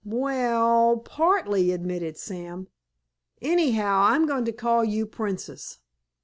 "W ell, partly," admitted Sam. "Anyhow I'm going to call you 'Princess.